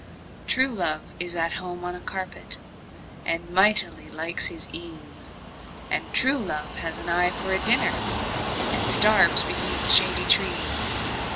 True love is at home on a carpet, And mightily likes his ease And true love has an eye for a dinner, And starves beneath shady trees.